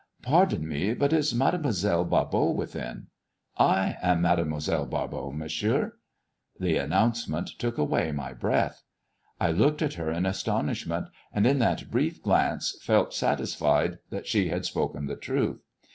"Pardon me, but is Mademoiselle Barbot within?" " I am Mademoiselle Barbot, monsieur." The announcement took away my breath. I looked at her in astonishment, and in that brief glance felt satisfied that she had spoken the truth.